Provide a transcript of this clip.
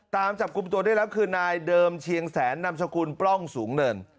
ตามจับกลุ่มตัวได้แล้วคือนายเดิมเชียงแสนนามสกุลปล้องสูงเนิน